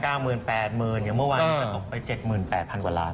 ๙๐๐๐๐๘๐๐๐๐อย่างเมื่อวันนี้ก็ตกไป๗๘๐๐๐กว่าล้าน